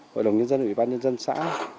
hội đồng nhân dân ủy ban nhân dân xã